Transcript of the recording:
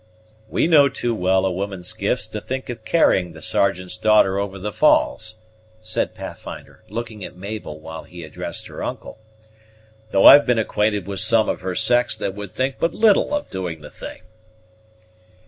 "We know too well a woman's gifts to think of carrying the Sergeant's daughter over the falls," said Pathfinder, looking at Mabel, while he addressed her uncle; "though I've been acquainted with some of her sex that would think but little of doing the thing."